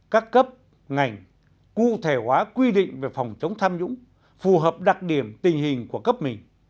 các cấp ngành cụ thể hóa quy định về phòng chống tham nhũng phù hợp đặc điểm tình hình của cấp mình